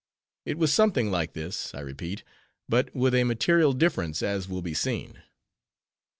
It was something like this, I repeat—but with a material difference, as will be seen.